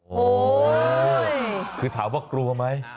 โอ้โหคือถามว่ากลัวไหม